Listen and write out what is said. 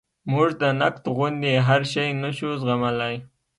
موږ د نقد غوندې هر شی نشو زغملی.